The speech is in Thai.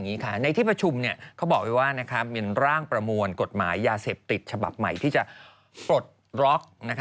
ในที่ประชุมเขาบอกไว้ว่าเป็นร่างประมวลกฎหมายยาเสพติดฉบับใหม่ที่จะปลดล็อก